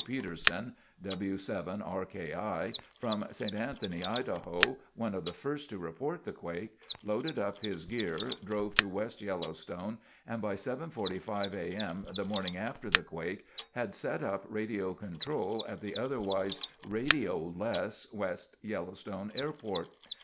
Peterson, (W7RKI), from St. Anthony, Idaho, one of the first to report the quake, loaded up his gear, drove to West Yellowstone, and by 7:45 A. M. the morning after the quake had set up radio control at the otherwise radioless West Yellowstone Airport.